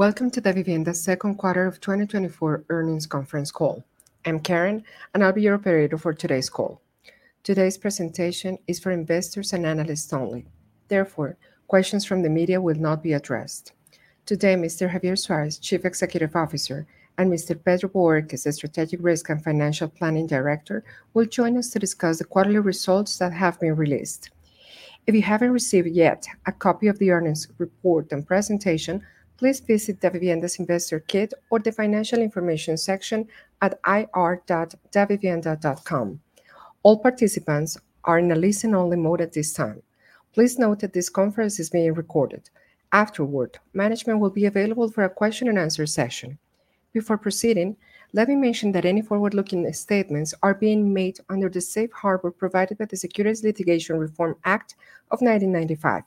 Welcome to Davivienda's second quarter of 2024 earnings conference call. I'm Karen, and I'll be your operator for today's call. Today's presentation is for investors and analysts only. Therefore, questions from the media will not be addressed. Today, Mr. Javier Suárez, Chief Executive Officer, and Mr. Pedro Bohórquez, the Strategic Risk and Financial Planning Director, will join us to discuss the quarterly results that have been released. If you haven't received yet a copy of the earnings report and presentation, please visit Davivienda's Investor Kit or the Financial Information section at ir.davivienda.com. All participants are in a listen-only mode at this time. Please note that this conference is being recorded. Afterward, management will be available for a question and answer session. Before proceeding, let me mention that any forward-looking statements are being made under the safe harbor provided by the Securities Litigation Reform Act of 1995.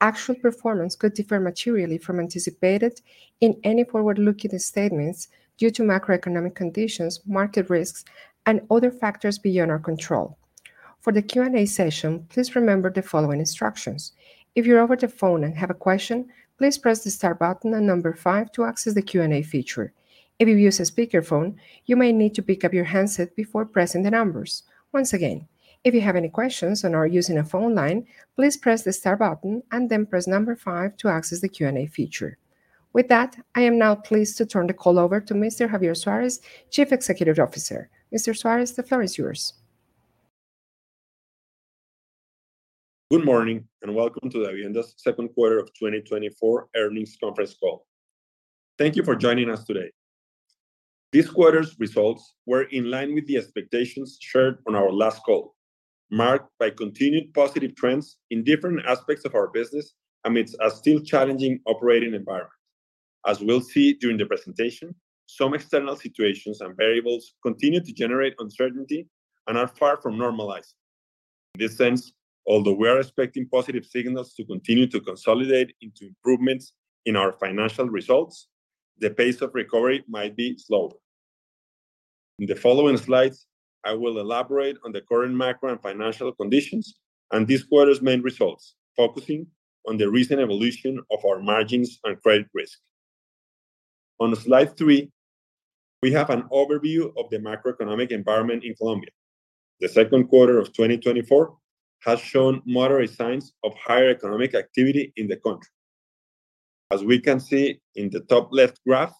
Actual performance could differ materially from anticipated in any forward-looking statements due to macroeconomic conditions, market risks, and other factors beyond our control. For the Q&A session, please remember the following instructions: If you're over the phone and have a question, please press the star button and number five to access the Q&A feature. If you use a speakerphone, you may need to pick up your handset before pressing the numbers. Once again, if you have any questions and are using a phone line, please press the star button and then press number five to access the Q&A feature. With that, I am now pleased to turn the call over to Mr. Javier Suárez, Chief Executive Officer. Mr. Suárez, the floor is yours. Good morning, and welcome to Davivienda's second quarter of 2024 earnings conference call. Thank you for joining us today. This quarter's results were in line with the expectations shared on our last call, marked by continued positive trends in different aspects of our business amidst a still challenging operating environment. As we'll see during the presentation, some external situations and variables continue to generate uncertainty and are far from normalized. In this sense, although we are expecting positive signals to continue to consolidate into improvements in our financial results, the pace of recovery might be slower. In the following slides, I will elaborate on the current macro and financial conditions and this quarter's main results, focusing on the recent evolution of our margins and credit risk. On slide three, we have an overview of the macroeconomic environment in Colombia. The second quarter of 2024 has shown moderate signs of higher economic activity in the country. As we can see in the top left graph,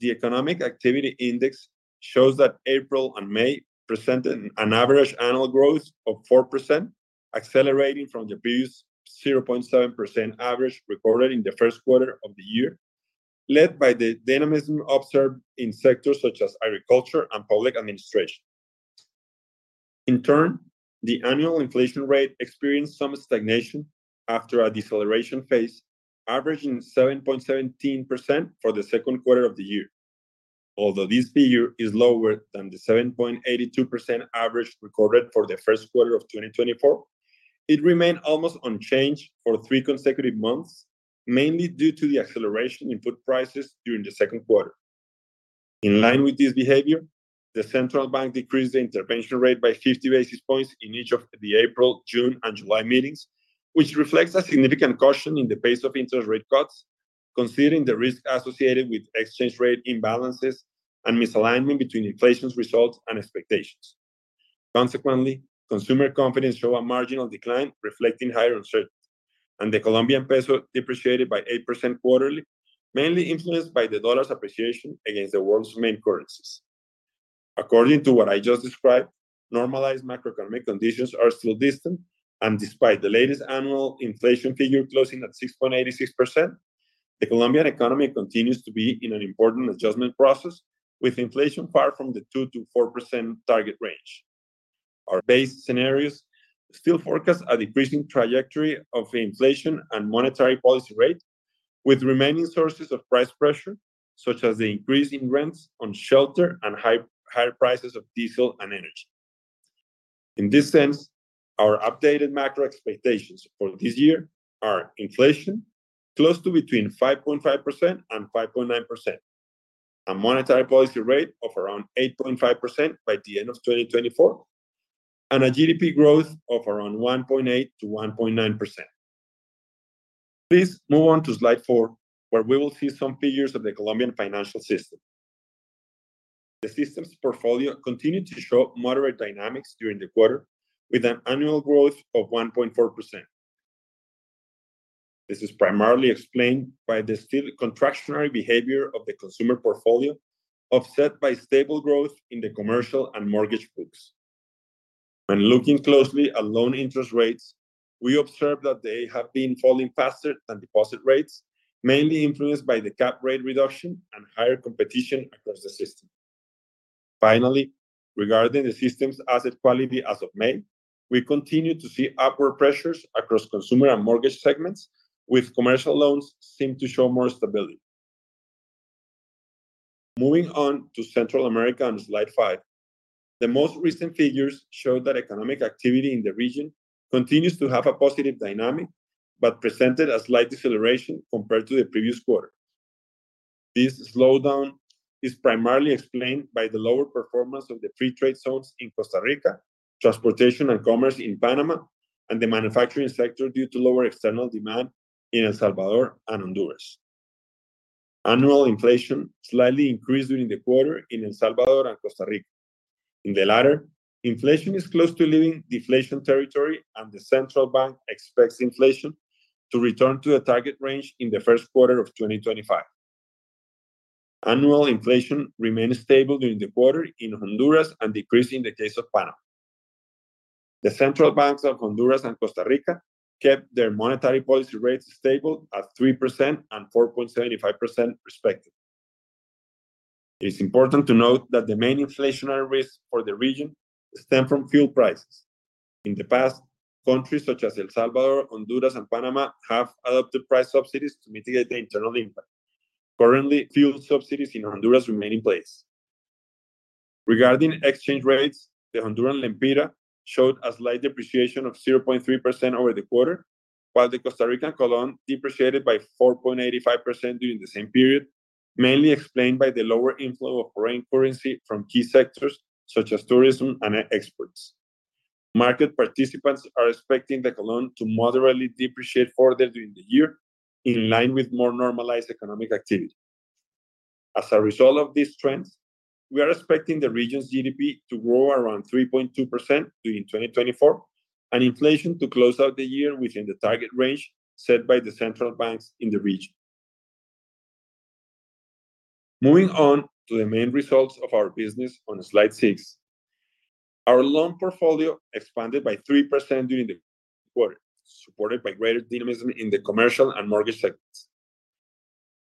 the economic activity index shows that April and May presented an average annual growth of 4%, accelerating from the previous 0.7% average recorded in the first quarter of the year, led by the dynamism observed in sectors such as agriculture and public administration. In turn, the annual inflation rate experienced some stagnation after a deceleration phase, averaging 7.17% for the second quarter of the year. Although this figure is lower than the 7.82% average recorded for the first quarter of 2024, it remained almost unchanged for three consecutive months, mainly due to the acceleration in food prices during the second quarter. In line with this behavior, the central bank decreased the intervention rate by 50 basis points in each of the April, June, and July meetings, which reflects a significant caution in the pace of interest rate cuts, considering the risk associated with exchange rate imbalances and misalignment between inflation results and expectations. Consequently, consumer confidence showed a marginal decline reflecting higher uncertainty, and the Colombian peso depreciated by 8% quarterly, mainly influenced by the dollar's appreciation against the world's main currencies. According to what I just described, normalized macroeconomic conditions are still distant, and despite the latest annual inflation figure closing at 6.86%, the Colombian economy continues to be in an important adjustment process, with inflation far from the 2%-4% target range. Our base scenarios still forecast a decreasing trajectory of inflation and monetary policy rate, with remaining sources of price pressure, such as the increase in rents on shelter and higher prices of diesel and energy. In this sense, our updated macro expectations for this year are: inflation close to between 5.5% and 5.9%, a monetary policy rate of around 8.5% by the end of 2024, and a GDP growth of around 1.8% to 1.9%. Please move on to slide four, where we will see some figures of the Colombian financial system. The system's portfolio continued to show moderate dynamics during the quarter, with an annual growth of 1.4%. This is primarily explained by the still contractionary behavior of the consumer portfolio, offset by stable growth in the commercial and mortgage books. When looking closely at loan interest rates, we observe that they have been falling faster than deposit rates, mainly influenced by the cap rate reduction and higher competition across the system. Finally, regarding the system's asset quality as of May, we continue to see upward pressures across consumer and mortgage segments, with commercial loans seem to show more stability. Moving on to Central America on slide five, the most recent figures show that economic activity in the region continues to have a positive dynamic but presented a slight deceleration compared to the previous quarter.... This slowdown is primarily explained by the lower performance of the free trade zones in Costa Rica, transportation and commerce in Panama, and the manufacturing sector due to lower external demand in El Salvador and Honduras. Annual inflation slightly increased during the quarter in El Salvador and Costa Rica. In the latter, inflation is close to leaving deflation territory, and the central bank expects inflation to return to a target range in the first quarter of 2025. Annual inflation remained stable during the quarter in Honduras and decreased in the case of Panama. The central banks of Honduras and Costa Rica kept their monetary policy rates stable at 3% and 4.75% respectively. It is important to note that the main inflationary risks for the region stem from fuel prices. In the past, countries such as El Salvador, Honduras, and Panama have adopted price subsidies to mitigate the internal impact. Currently, fuel subsidies in Honduras remain in place. Regarding exchange rates, the Honduran lempira showed a slight depreciation of 0.3% over the quarter, while the Costa Rican colón depreciated by 4.85% during the same period, mainly explained by the lower inflow of foreign currency from key sectors such as tourism and exports. Market participants are expecting the colón to moderately depreciate further during the year, in line with more normalized economic activity. As a result of these trends, we are expecting the region's GDP to grow around 3.2% during 2024, and inflation to close out the year within the target range set by the central banks in the region. Moving on to the main results of our business on slide six. Our loan portfolio expanded by 3% during the quarter, supported by greater dynamism in the commercial and mortgage segments.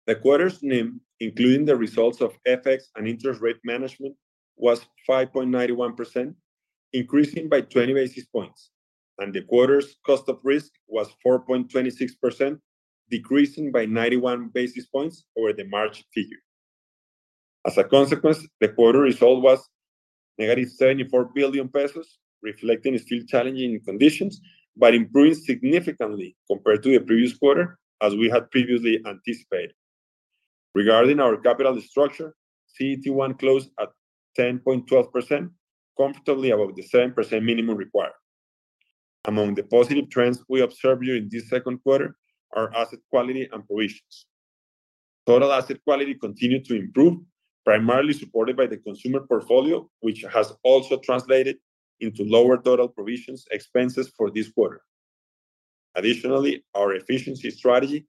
The quarter's NIM, including the results of FX and interest rate management, was 5.91%, increasing by 20 basis points, and the quarter's cost of risk was 4.26%, decreasing by 91 basis points over the March figure. As a consequence, the quarter result was -COP 34 billion, reflecting still challenging conditions, but improving significantly compared to the previous quarter, as we had previously anticipated. Regarding our capital structure, CET1 closed at 10.12%, comfortably above the 7% minimum required. Among the positive trends we observed during this second quarter are asset quality and provisions. Total asset quality continued to improve, primarily supported by the consumer portfolio, which has also translated into lower total provisions expenses for this quarter. Additionally, our efficiency strategy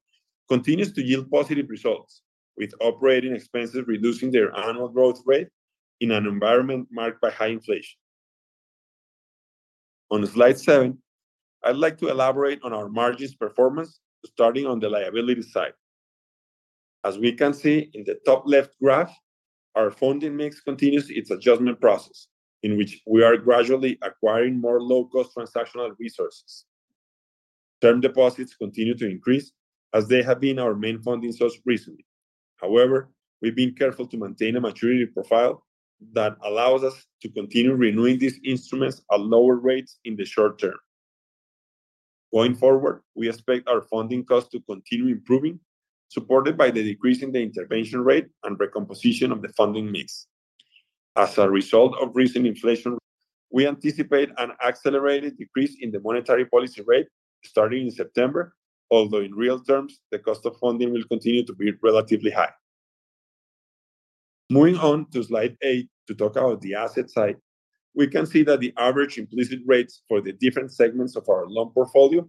continues to yield positive results, with operating expenses reducing their annual growth rate in an environment marked by high inflation. On slide seven, I'd like to elaborate on our margins performance, starting on the liability side. As we can see in the top left graph, our funding mix continues its adjustment process, in which we are gradually acquiring more low-cost transactional resources. Term deposits continue to increase, as they have been our main funding source recently. However, we've been careful to maintain a maturity profile that allows us to continue renewing these instruments at lower rates in the short term. Going forward, we expect our funding costs to continue improving, supported by the decrease in the intervention rate and recomposition of the funding mix. As a result of recent inflation, we anticipate an accelerated decrease in the monetary policy rate starting in September, although in real terms, the cost of funding will continue to be relatively high. Moving on to slide eight to talk about the asset side, we can see that the average implicit rates for the different segments of our loan portfolio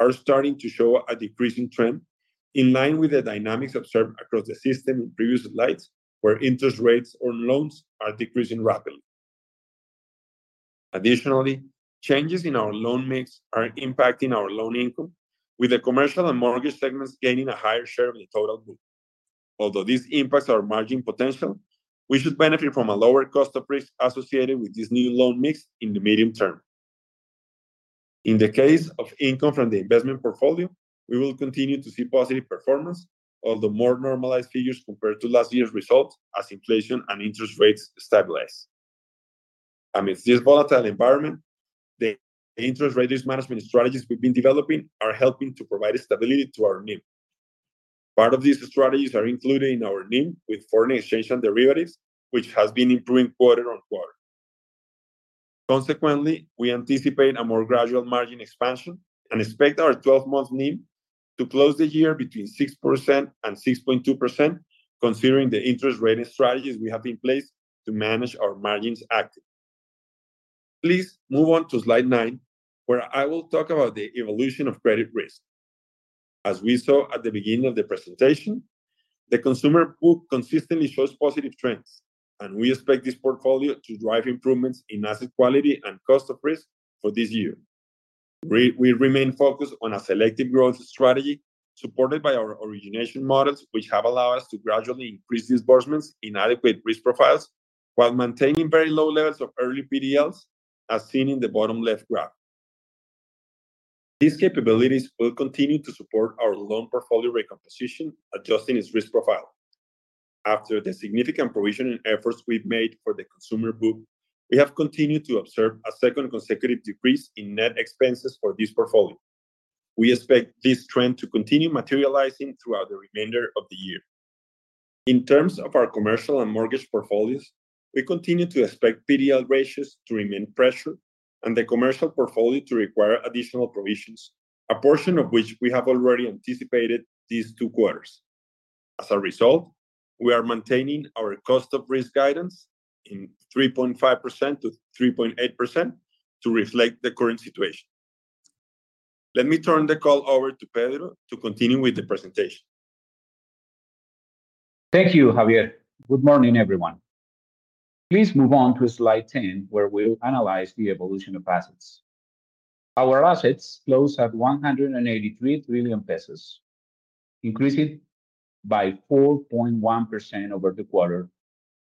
are starting to show a decreasing trend in line with the dynamics observed across the system in previous slides, where interest rates on loans are decreasing rapidly. Additionally, changes in our loan mix are impacting our loan income, with the commercial and mortgage segments gaining a higher share of the total book. Although this impacts our margin potential, we should benefit from a lower cost of risk associated with this new loan mix in the medium term. In the case of income from the investment portfolio, we will continue to see positive performance, although more normalized figures compared to last year's results as inflation and interest rates stabilize. Amidst this volatile environment, the interest rate risk management strategies we've been developing are helping to provide stability to our NIM. Part of these strategies are included in our NIM with foreign exchange and derivatives, which has been improving quarter on quarter. Consequently, we anticipate a more gradual margin expansion and expect our 12-month NIM to close the year between 6% and 6.2%, considering the interest rate strategies we have in place to manage our margins actively. Please move on to slide nine, where I will talk about the evolution of credit risk. As we saw at the beginning of the presentation, the consumer book consistently shows positive trends, and we expect this portfolio to drive improvements in asset quality and cost of risk for this year. We remain focused on a selective growth strategy supported by our origination models, which have allowed us to gradually increase disbursements in adequate risk profiles while maintaining very low levels of early PDLs, as seen in the bottom left graph. These capabilities will continue to support our loan portfolio recomposition, adjusting its risk profile. After the significant provisioning efforts we've made for the consumer book, we have continued to observe a second consecutive decrease in net expenses for this portfolio... We expect this trend to continue materializing throughout the remainder of the year. In terms of our commercial and mortgage portfolios, we continue to expect PDL ratios to remain pressured, and the commercial portfolio to require additional provisions, a portion of which we have already anticipated these two quarters. As a result, we are maintaining our cost of risk guidance in 3.5%-3.8% to reflect the current situation. Let me turn the call over to Pedro to continue with the presentation. Thank you, Javier. Good morning, everyone. Please move on to slide 10, where we'll analyze the evolution of assets. Our assets close at COP 183 trillion, increasing by 4.1% over the quarter,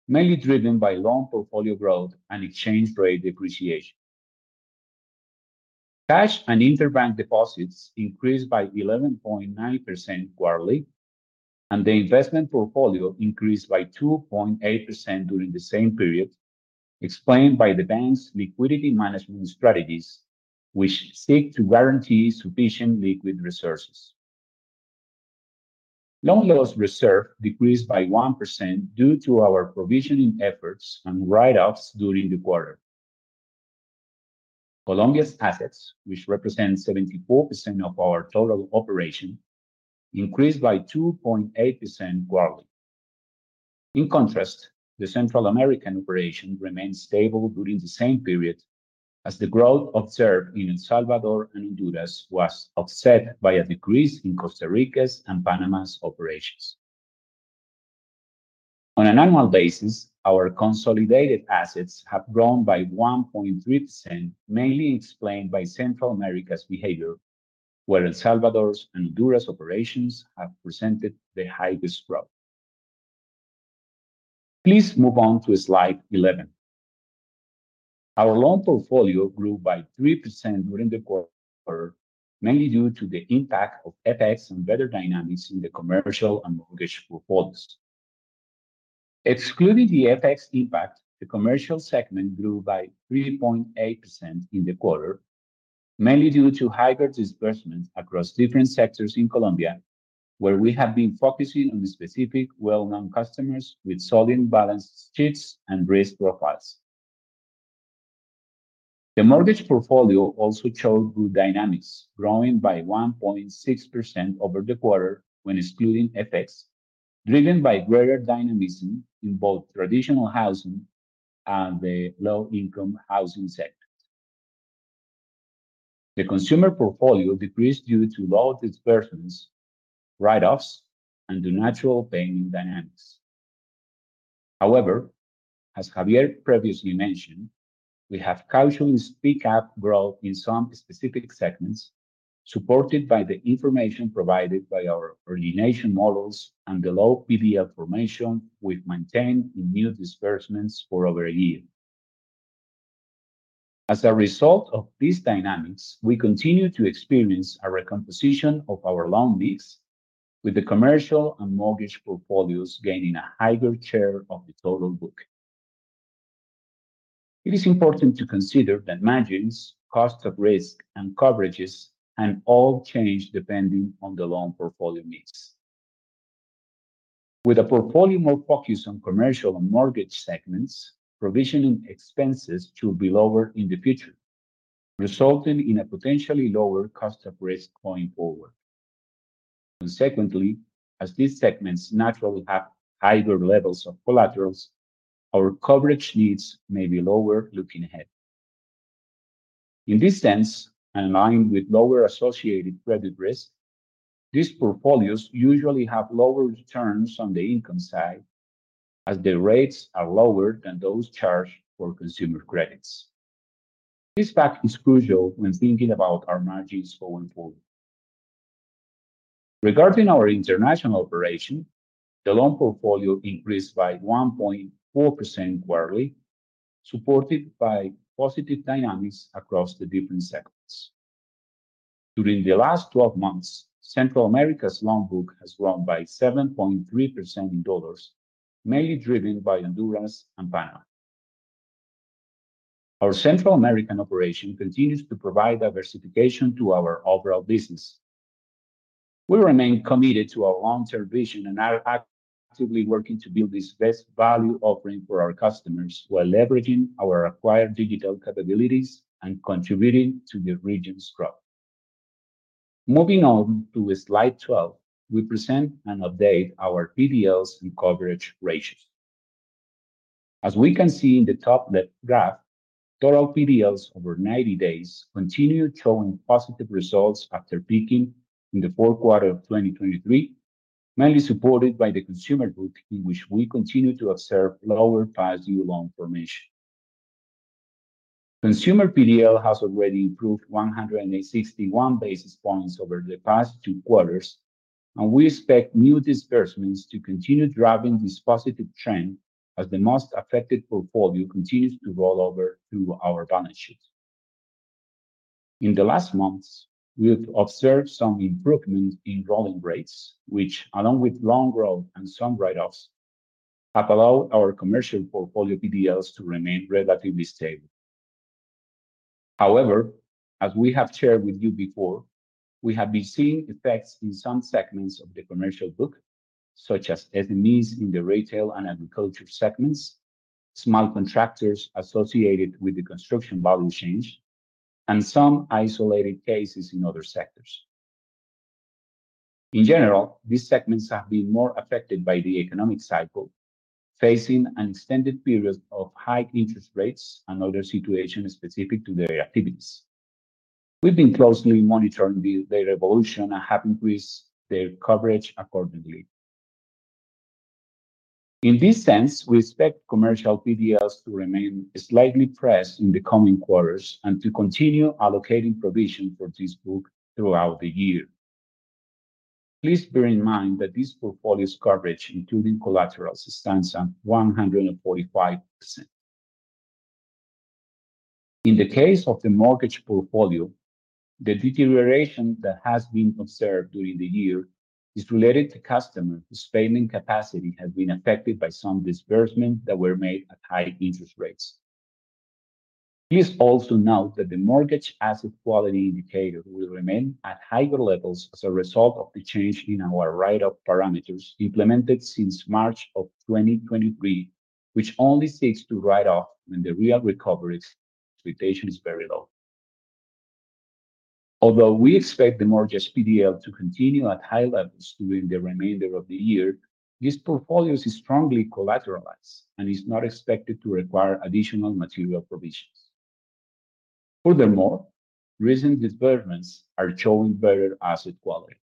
mainly driven by loan portfolio growth and exchange rate depreciation. Cash and interbank deposits increased by 11.9% quarterly, and the investment portfolio increased by 2.8% during the same period, explained by the bank's liquidity management strategies, which seek to guarantee sufficient liquid resources. Loan loss reserve decreased by 1% due to our provisioning efforts and write-offs during the quarter. Colombia's assets, which represent 74% of our total operation, increased by 2.8% quarterly. In contrast, the Central American operation remained stable during the same period as the growth observed in El Salvador and Honduras was offset by a decrease in Costa Rica's and Panama's operations. On an annual basis, our consolidated assets have grown by 1.3%, mainly explained by Central America's behavior, where El Salvador's and Honduras operations have presented the highest growth. Please move on to slide 11. Our loan portfolio grew by 3% during the quarter, mainly due to the impact of FX and better dynamics in the commercial and mortgage portfolios. Excluding the FX impact, the commercial segment grew by 3.8% in the quarter, mainly due to higher disbursements across different sectors in Colombia, where we have been focusing on specific well-known customers with solid balance sheets and risk profiles. The mortgage portfolio also showed good dynamics, growing by 1.6% over the quarter when excluding FX, driven by greater dynamism in both traditional housing and the low-income housing sector. The consumer portfolio decreased due to low disbursements, write-offs, and the natural paying dynamics. However, as Javier previously mentioned, we have cautiously picked up growth in some specific segments, supported by the information provided by our origination models and the low PDL formation we've maintained in new disbursements for over a year. As a result of these dynamics, we continue to experience a recomposition of our loan mix, with the commercial and mortgage portfolios gaining a higher share of the total book. It is important to consider that margins, cost of risk, and coverages can all change depending on the loan portfolio mix. With a portfolio more focused on commercial and mortgage segments, provisioning expenses should be lower in the future, resulting in a potentially lower cost of risk going forward. Consequently, as these segments naturally have higher levels of collaterals, our coverage needs may be lower looking ahead. In this sense, aligned with lower associated credit risk, these portfolios usually have lower returns on the income side, as the rates are lower than those charged for consumer credits. This fact is crucial when thinking about our margins going forward. Regarding our international operation, the loan portfolio increased by 1.4% quarterly, supported by positive dynamics across the different sectors. During the last 12 months, Central America's loan book has grown by 7.3% in dollars, mainly driven by Honduras and Panama. Our Central American operation continues to provide diversification to our overall business. We remain committed to our long-term vision and are actively working to build this best value offering for our customers, while leveraging our acquired digital capabilities and contributing to the region's growth. Moving on to slide 12, we present and update our PDLs and coverage ratios. As we can see in the top left graph, total PDLs over 90 days continue showing positive results after peaking in the fourth quarter of 2023, mainly supported by the consumer book, in which we continue to observe lower value loan formation. Consumer PDL has already improved 161 basis points over the past two quarters, and we expect new disbursements to continue driving this positive trend as the most affected portfolio continues to roll over through our balance sheet. In the last months, we have observed some improvement in rolling rates, which, along with loan growth and some write-offs-... have allowed our commercial portfolio PDLs to remain relatively stable. However, as we have shared with you before, we have been seeing effects in some segments of the commercial book, such as SMEs in the retail and agriculture segments, small contractors associated with the construction volume change, and some isolated cases in other sectors. In general, these segments have been more affected by the economic cycle, facing an extended period of high interest rates and other situations specific to their activities. We've been closely monitoring their evolution and have increased their coverage accordingly. In this sense, we expect commercial PDLs to remain slightly pressed in the coming quarters and to continue allocating provision for this book throughout the year. Please bear in mind that this portfolio's coverage, including collateral, stands at 145%. In the case of the mortgage portfolio, the deterioration that has been observed during the year is related to customers whose spending capacity has been affected by some disbursements that were made at high interest rates. Please also note that the mortgage asset quality indicator will remain at higher levels as a result of the change in our write-off parameters implemented since March of 2023, which only seeks to write off when the real recovery expectation is very low. Although we expect the mortgage PDL to continue at high levels during the remainder of the year, this portfolio is strongly collateralized and is not expected to require additional material provisions. Furthermore, recent disbursements are showing better asset quality.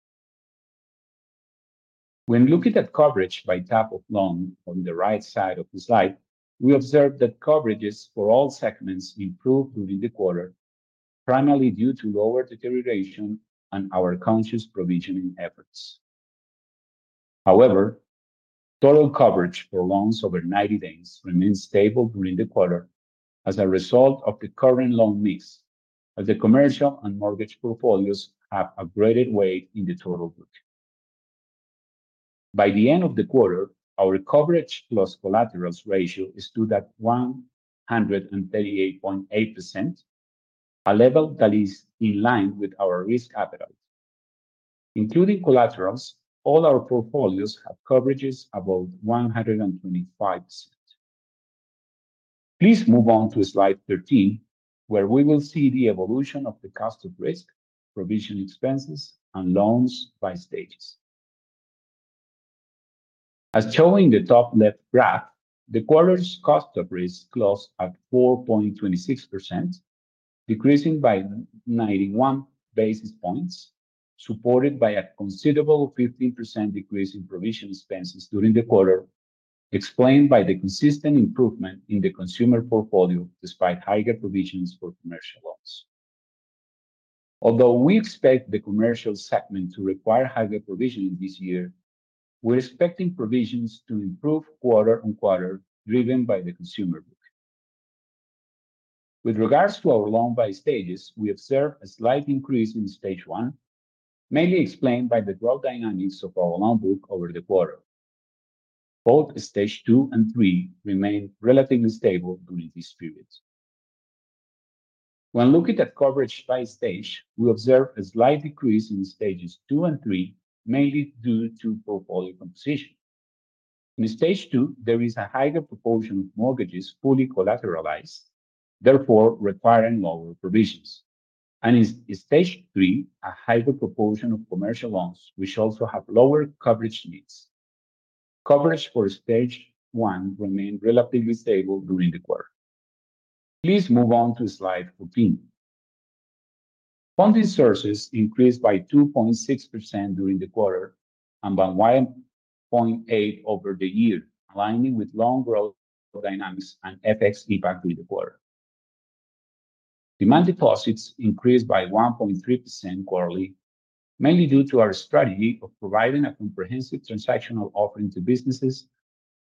When looking at coverage by type of loan on the right side of the slide, we observe that coverages for all segments improved during the quarter, primarily due to lower deterioration and our conscious provisioning efforts. However, total coverage for loans over 90 days remains stable during the quarter as a result of the current loan mix, as the commercial and mortgage portfolios have a greater weight in the total book. By the end of the quarter, our coverage plus collaterals ratio stood at 138.8%, a level that is in line with our risk appetite. Including collaterals, all our portfolios have coverages above 125%. Please move on to slide 13, where we will see the evolution of the cost of risk, provision expenses, and loans by stages. As shown in the top left graph, the quarter's cost of risk closed at 4.26%, decreasing by 91 basis points, supported by a considerable 15% decrease in provision expenses during the quarter, explained by the consistent improvement in the consumer portfolio, despite higher provisions for commercial loans. Although we expect the commercial segment to require higher provisioning this year, we're expecting provisions to improve quarter on quarter, driven by the consumer book. With regards to our loan by stages, we observed a slight increase in Stage 1, mainly explained by the growth dynamics of our loan book over the quarter. Both Stage 2 and three remained relatively stable during this period. When looking at coverage by stage, we observed a slight decrease in stages two and three, mainly due to portfolio composition. In Stage 2, there is a higher proportion of mortgages fully collateralized, therefore requiring lower provisions, and in Stage three, a higher proportion of commercial loans, which also have lower coverage needs. Coverage for Stage 1 remained relatively stable during the quarter. Please move on to slide 14. Funding sources increased by 2.6% during the quarter and by 1.8% over the year, aligning with loan growth dynamics and FX impact during the quarter. Demand deposits increased by 1.3% quarterly, mainly due to our strategy of providing a comprehensive transactional offering to businesses,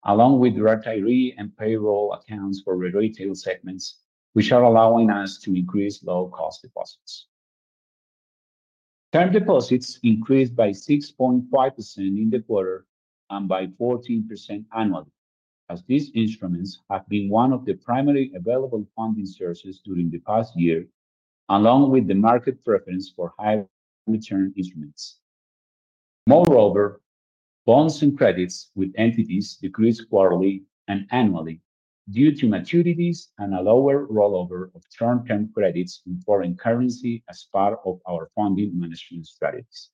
along with retiree and payroll accounts for retail segments, which are allowing us to increase low-cost deposits. Term deposits increased by 6.5% in the quarter and by 14% annually, as these instruments have been one of the primary available funding sources during the past year, along with the market preference for high-return instruments. Moreover, bonds and credits with entities decreased quarterly and annually due to maturities and a lower rollover of term credits in foreign currency as part of our funding management strategies.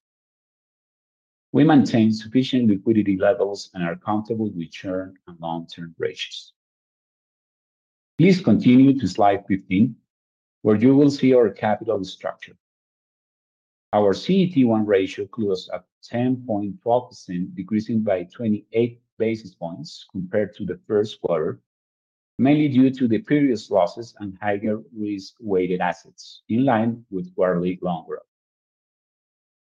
We maintain sufficient liquidity levels and are comfortable with short- and long-term ratios. Please continue to slide 15, where you will see our capital structure. Our CET1 ratio closed at 10.4%, decreasing by 28 basis points compared to the first quarter, mainly due to the previous losses and higher risk-weighted assets, in line with quarterly loan growth.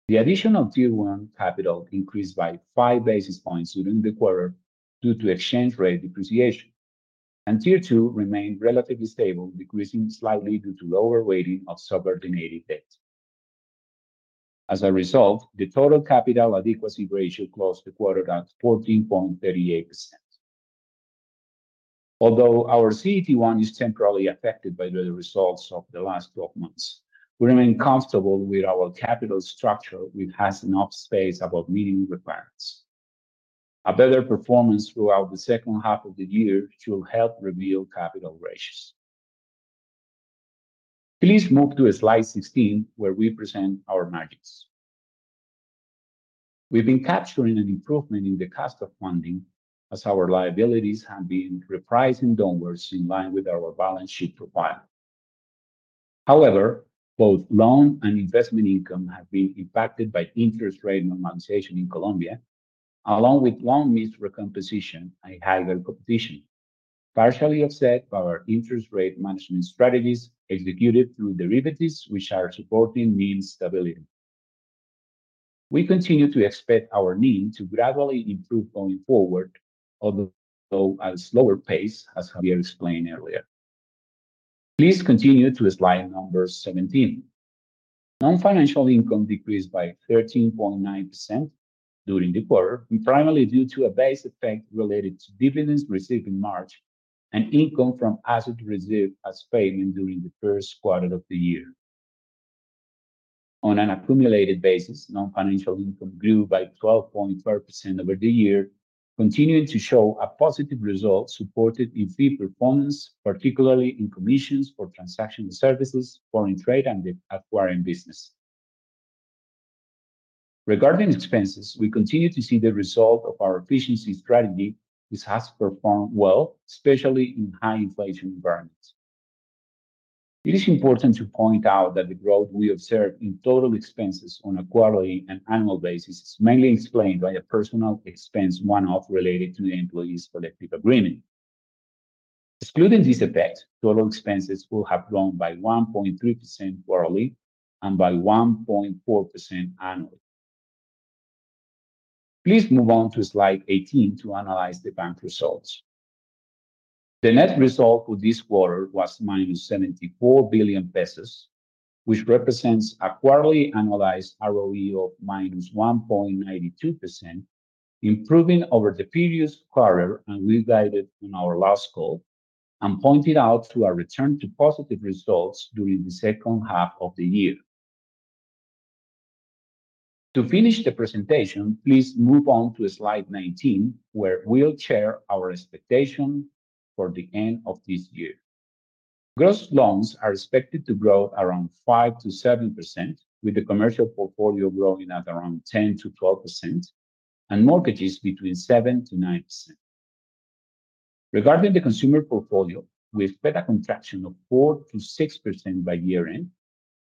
The Additional Tier 1 capital increased by five basis points during the quarter due to exchange rate depreciation, and Tier 2 remained relatively stable, decreasing slightly due to lower weighting of subordinated debt. As a result, the total Capital Adequacy Ratio closed the quarter at 14.38%. Although our CET1 is temporarily affected by the results of the last 12 months, we remain comfortable with our capital structure, which has enough space above minimum requirements. A better performance throughout the second half of the year should help reveal capital ratios. Please move to slide 16, where we present our margins. We've been capturing an improvement in the cost of funding as our liabilities have been repricing downwards in line with our balance sheet profile. However, both loan and investment income have been impacted by interest rate normalization in Colombia, along with loan mix recomposition and higher competition, partially offset by our interest rate management strategies executed through derivatives, which are supporting mean stability. We continue to expect our NIM to gradually improve going forward, although at a slower pace, as Javier explained earlier. Please continue to slide number 17. Non-financial income decreased by 13.9% during the quarter, primarily due to a base effect related to dividends received in March and income from asset reserves as fading during the first quarter of the year. On an accumulated basis, non-financial income grew by 12.3% over the year, continuing to show a positive result supported in fee performance, particularly in commissions for transaction services, foreign trade, and the acquiring business. Regarding expenses, we continue to see the result of our efficiency strategy, which has performed well, especially in high inflation environments. It is important to point out that the growth we observed in total expenses on a quarterly and annual basis is mainly explained by a personal expense one-off related to the employees' collective agreement. Excluding this effect, total expenses will have grown by 1.3% quarterly and by 1.4% annually. Please move on to slide 18 to analyze the bank results. The net result for this quarter was -COP 74 billion, which represents a quarterly annualized ROE of minus 1.92%, improving over the previous quarter, and we guided on our last call and pointed out to a return to positive results during the second half of the year. To finish the presentation, please move on to slide 19, where we'll share our expectation for the end of this year. Gross loans are expected to grow around 5%-7%, with the commercial portfolio growing at around 10%-12% and mortgages between 7%-9%. Regarding the consumer portfolio, we expect a contraction of 4%-6% by year-end,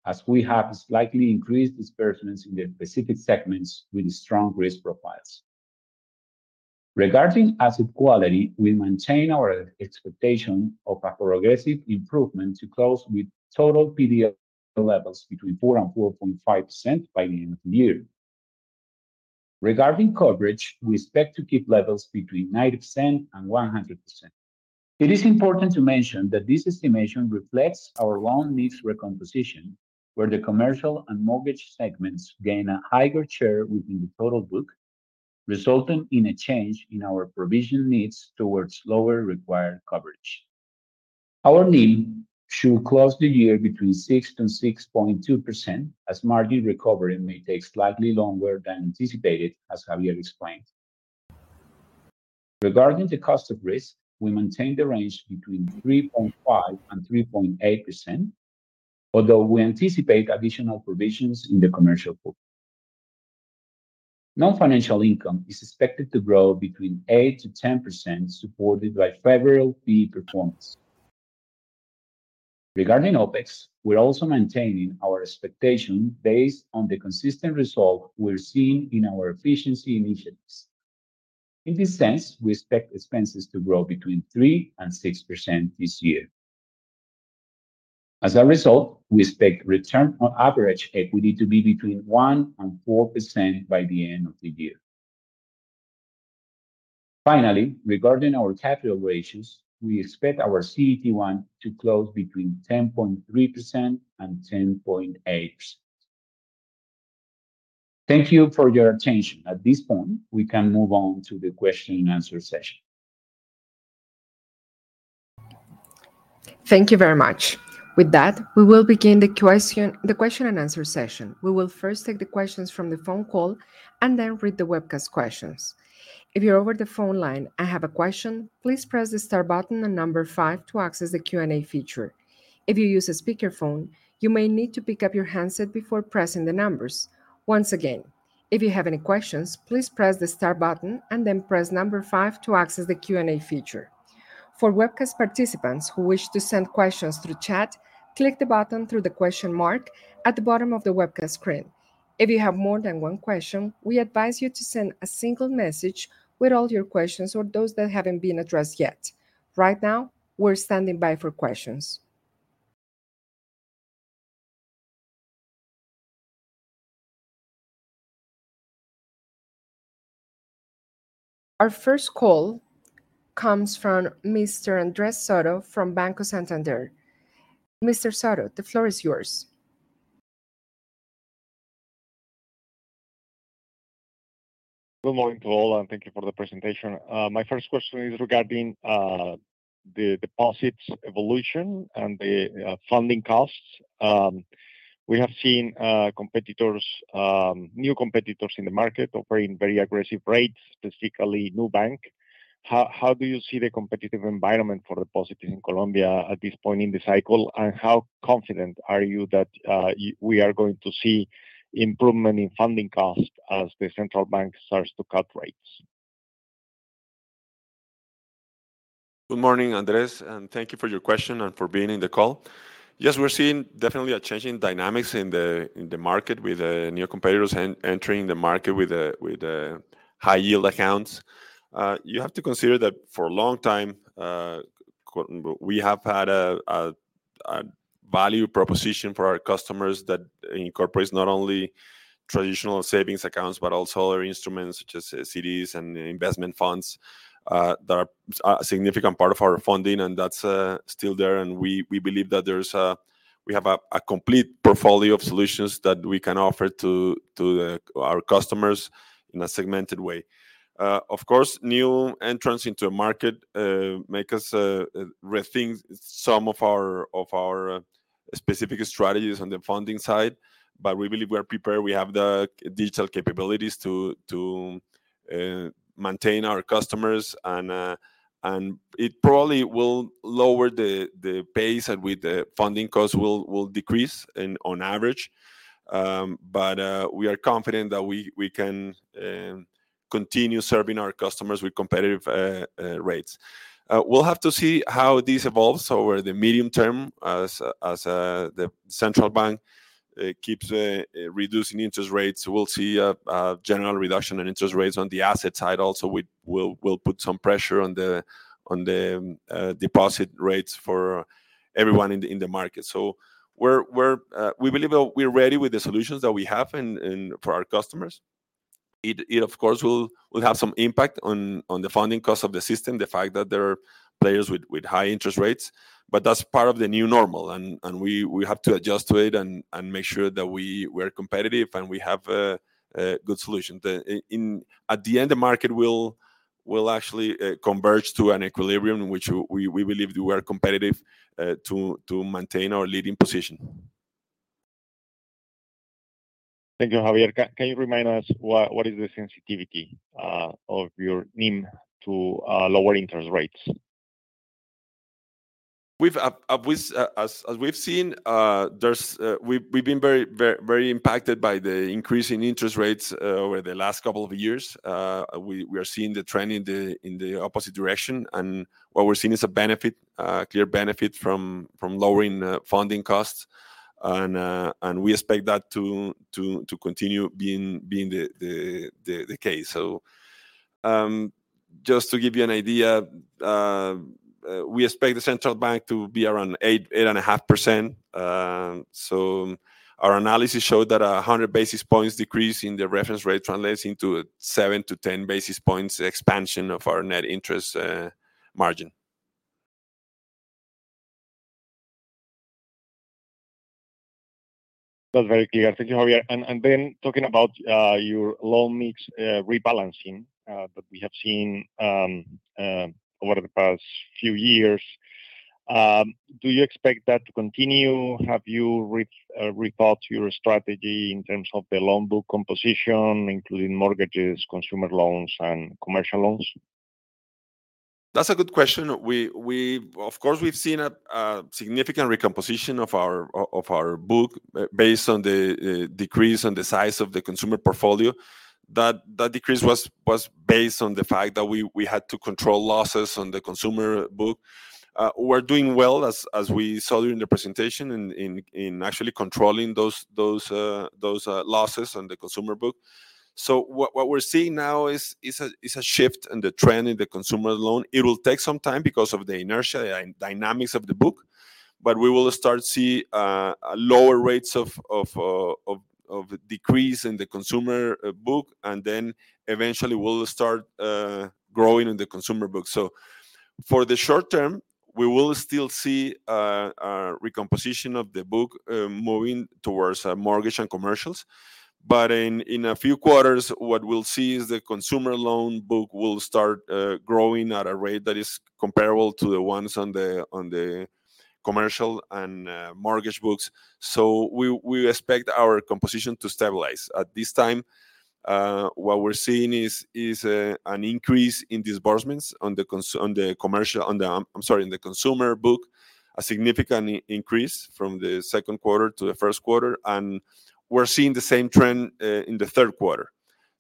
as we have slightly increased disbursements in the specific segments with strong risk profiles. Regarding asset quality, we maintain our expectation of a progressive improvement to close with total PD levels between 4% and 4.5% by the end of the year. Regarding coverage, we expect to keep levels between 90% and 100%. It is important to mention that this estimation reflects our loan mix recomposition, where the commercial and mortgage segments gain a higher share within the total book, resulting in a change in our provision needs towards lower required coverage. Our NIM should close the year between 6 and 6.2%, as margin recovery may take slightly longer than anticipated, as Javier explained. Regarding the cost of risk, we maintain the range between 3.5 and 3.8%, although we anticipate additional provisions in the commercial portfolio. Non-financial income is expected to grow between 8% and 10%, supported by favorable fee performance. Regarding OpEx, we're also maintaining our expectation based on the consistent result we're seeing in our efficiency initiatives. In this sense, we expect expenses to grow between 3% and 6% this year. As a result, we expect return on average equity to be between 1% and 4% by the end of the year. Finally, regarding our capital ratios, we expect our CET1 to close between 10.3% and 10.8%. Thank you for your attention. At this point, we can move on to the question and answer session. Thank you very much. With that, we will begin the question and answer session. We will first take the questions from the phone call and then read the webcast questions. If you're over the phone line and have a question, please press the star button and number five to access the Q&A feature. If you use a speakerphone, you may need to pick up your handset before pressing the numbers. Once again, if you have any questions, please press the star button and then press number five to access the Q&A feature. For webcast participants who wish to send questions through chat, click the button through the question mark at the bottom of the webcast screen. If you have more than one question, we advise you to send a single message with all your questions or those that haven't been addressed yet. Right now, we're standing by for questions... Our first call comes from Mr. Andrés Soto from Banco Santander. Mr. Soto, the floor is yours. Good morning to all, and thank you for the presentation. My first question is regarding the deposits evolution and the funding costs. We have seen competitors, new competitors in the market offering very aggressive rates, specifically NuBank. How do you see the competitive environment for deposits in Colombia at this point in the cycle? And how confident are you that we are going to see improvement in funding costs as the central bank starts to cut rates? Good morning, Andrés, and thank you for your question and for being in the call. Yes, we're seeing definitely a change in dynamics in the market with new competitors entering the market with high-yield accounts. You have to consider that for a long time, quote, unquote, we have had a value proposition for our customers that incorporates not only traditional savings accounts, but also other instruments, such as CDs and investment funds. That are a significant part of our funding, and that's still there, and we believe that there's we have a complete portfolio of solutions that we can offer to our customers in a segmented way. Of course, new entrants into a market make us rethink some of our specific strategies on the funding side, but we believe we are prepared. We have the digital capabilities to maintain our customers, and it probably will lower the pace at which the funding costs will decrease on average, but we are confident that we can continue serving our customers with competitive rates. We'll have to see how this evolves over the medium term as the central bank keeps reducing interest rates. We'll see a general reduction in interest rates on the asset side also, which will put some pressure on the deposit rates for everyone in the market. So we're... We believe that we're ready with the solutions that we have and for our customers. It of course will have some impact on the funding costs of the system, the fact that there are players with high interest rates, but that's part of the new normal, and we have to adjust to it and make sure that we're competitive, and we have a good solution. At the end, the market will actually converge to an equilibrium in which we believe we are competitive to maintain our leading position. Thank you, Javier. Can you remind us what, what is the sensitivity of your NIM to lower interest rates? As we've seen, we've been very impacted by the increase in interest rates over the last couple of years. We are seeing the trend in the opposite direction, and what we're seeing is a benefit, clear benefit from lowering funding costs, and we expect that to continue being the case. Just to give you an idea, we expect the central bank to be around 8%-8.5%. Our analysis showed that a 100 basis points decrease in the reference rate translates into a 7-10 basis points expansion of our net interest margin. That's very clear. Thank you, Javier. And then talking about your loan mix rebalancing that we have seen over the past few years, do you expect that to continue? Have you rethought your strategy in terms of the loan book composition, including mortgages, consumer loans, and commercial loans? That's a good question. We've of course seen a significant recomposition of our book based on the decrease in the size of the consumer portfolio. That decrease was based on the fact that we had to control losses on the consumer book. We're doing well, as we saw during the presentation, in actually controlling those losses on the consumer book. So what we're seeing now is a shift in the trend in the consumer loan. It will take some time because of the inertia and dynamics of the book, but we will start to see lower rates of decrease in the consumer book, and then eventually, we'll start growing in the consumer book. For the short term, we will still see a recomposition of the book moving towards mortgage and commercials, but in a few quarters, what we'll see is the consumer loan book will start growing at a rate that is comparable to the ones on the commercial and mortgage books. We expect our composition to stabilize. At this time, what we're seeing is an increase in disbursements, I'm sorry, in the consumer book, a significant increase from the second quarter to the first quarter, and we're seeing the same trend in the third quarter.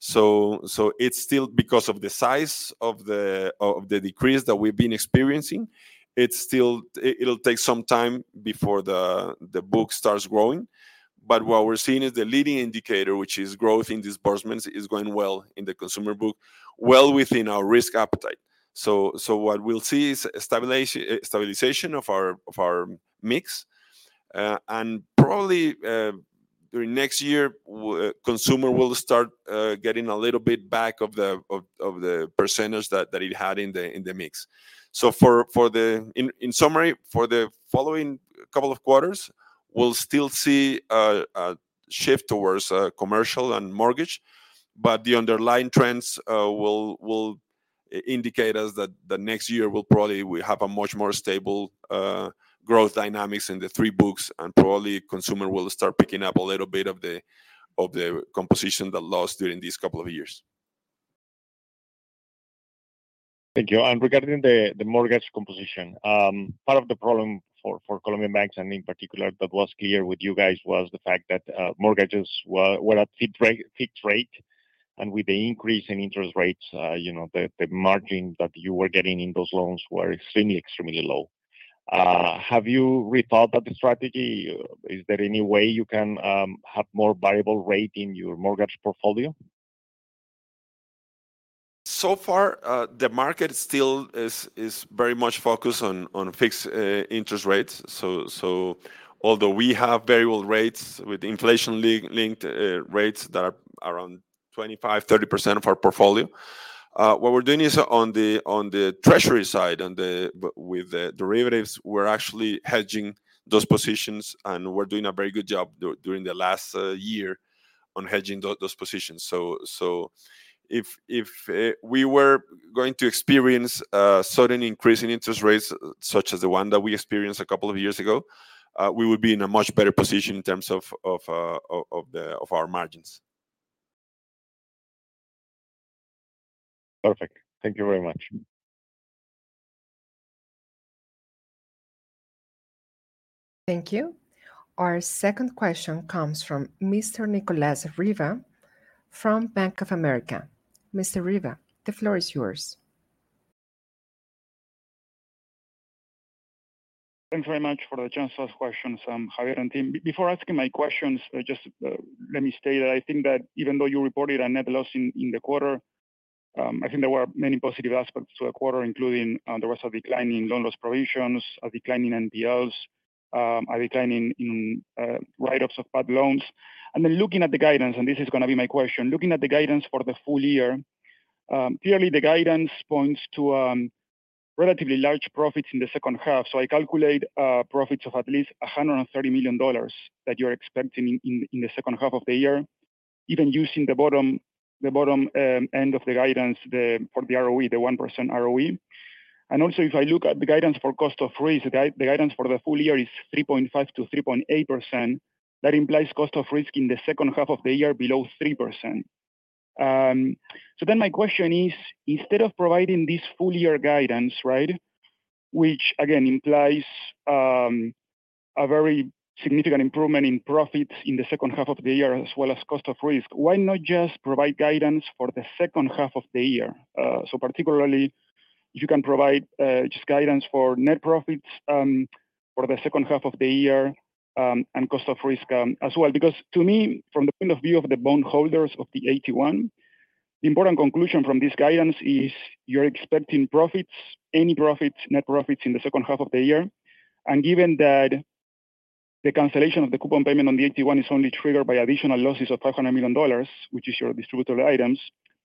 It's still because of the size of the decrease that we've been experiencing. It's still. It'll take some time before the book starts growing, but what we're seeing is the leading indicator, which is growth in disbursements, is going well in the consumer book, well within our risk appetite. So what we'll see is stabilization of our mix, and probably during next year, consumer will start getting a little bit back of the percentage that it had in the mix. So, in summary, for the following couple of quarters, we'll still see a shift towards commercial and mortgage, but the underlying trends will indicate us that the next year will probably we have a much more stable growth dynamics in the three books, and probably consumer will start picking up a little bit of the composition that lost during these couple of years. Thank you. And regarding the mortgage composition, part of the problem for Colombian banks, and in particular, that was clear with you guys, was the fact that mortgages were at fixed rate, and with the increase in interest rates, you know, the margin that you were getting in those loans were extremely low. Have you rethought that strategy? Is there any way you can have more variable rate in your mortgage portfolio? So far, the market still is very much focused on fixed interest rates. So although we have variable rates with inflation-linked rates that are around 25%-30% of our portfolio, what we're doing is on the treasury side with the derivatives, we're actually hedging those positions, and we're doing a very good job during the last year on hedging those positions. So if we were going to experience a sudden increase in interest rates, such as the one that we experienced a couple of years ago, we would be in a much better position in terms of our margins. Perfect. Thank you very much. Thank you. Our second question comes from Mr. Nicolas Riva from Bank of America. Mr. Riva, the floor is yours. Thanks very much for the chance to ask questions, Javier and team. Before asking my questions, just let me state that I think that even though you reported a net loss in the quarter, I think there were many positive aspects to the quarter, including there was a decline in loan loss provisions, a decline in NPLs, a decline in write-offs of bad loans. And then looking at the guidance, and this is gonna be my question, looking at the guidance for the full year, clearly the guidance points to relatively large profits in the second half. I calculate profits of at least $130 million that you're expecting in the second half of the year, even using the bottom end of the guidance for the ROE, the 1% ROE. And also, if I look at the guidance for cost of risk, the guidance for the full year is 3.5%-3.8%. That implies cost of risk in the second half of the year below 3%. So then my question is: Instead of providing this full year guidance, right, which again implies a very significant improvement in profits in the second half of the year, as well as cost of risk, why not just provide guidance for the second half of the year? So particularly, if you can provide just guidance for net profits for the second half of the year and cost of risk as well. Because to me, from the point of view of the bond holders of the AT1, the important conclusion from this guidance is you're expecting profits, any profits, net profits in the second half of the year. And given that the cancellation of the coupon payment on the AT1 is only triggered by additional losses of $500 million, which is your distributable items,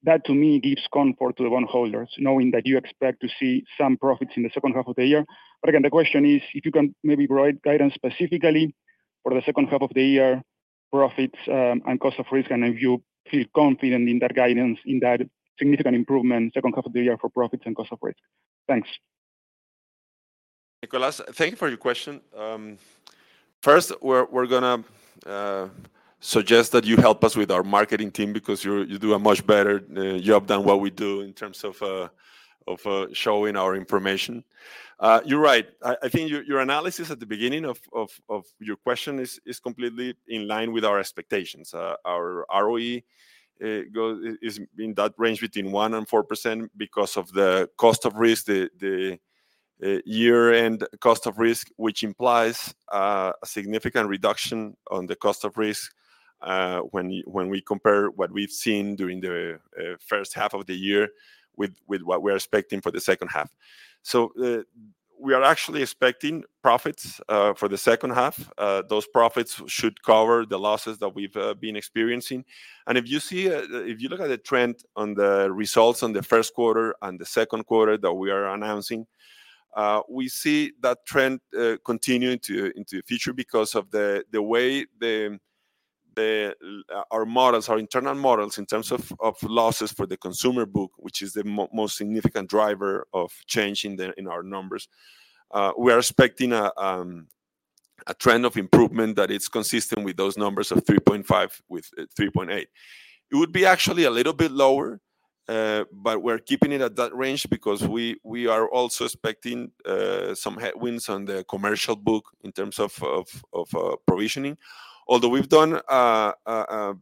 that to me gives comfort to the bond holders, knowing that you expect to see some profits in the second half of the year. But again, the question is, if you can maybe provide guidance specifically for the second half of the year, profits, and cost of risk, and if you feel confident in that guidance, in that significant improvement, second half of the year for profits and cost of risk? Thanks. Nicolás, thank you for your question. First, we're gonna suggest that you help us with our marketing team because you do a much better job than what we do in terms of showing our information. You're right. I think your analysis at the beginning of your question is completely in line with our expectations. Our ROE is in that range between 1% and 4% because of the cost of risk, the year-end cost of risk, which implies a significant reduction on the cost of risk when we compare what we've seen during the first half of the year with what we are expecting for the second half. So, we are actually expecting profits for the second half. Those profits should cover the losses that we've been experiencing. If you see, if you look at the trend on the results on the first quarter and the second quarter that we are announcing, we see that trend continuing into the future because of the way our models, our internal models, in terms of losses for the consumer book, which is the most significant driver of change in our numbers. We are expecting a trend of improvement that is consistent with those numbers of 3.5-3.8. It would be actually a little bit lower, but we're keeping it at that range because we are also expecting some headwinds on the commercial book in terms of provisioning. Although we've done a